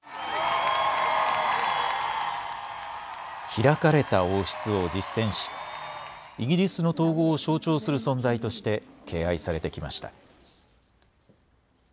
開かれた王室を実践し、イギリスの統合を象徴する存在として敬愛されてきました。